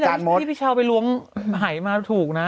ที่พี่เช้าไปล้วงหายมาถูกนะ